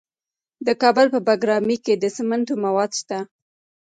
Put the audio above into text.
د کابل په بګرامي کې د سمنټو مواد شته.